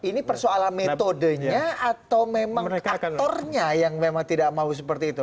ini persoalan metodenya atau memang aktornya yang memang tidak mau seperti itu